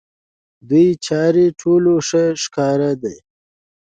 د دوی چارې ټولو ته ښکاره دي.